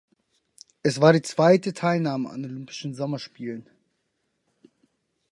Es war die zweite Teilnahme an Olympischen Sommerspielen.